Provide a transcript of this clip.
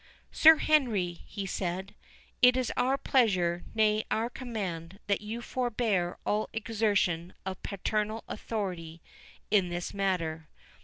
"Sir Henry," he said, "it is our pleasure, nay our command, that you forbear all exertion of paternal authority in this matter.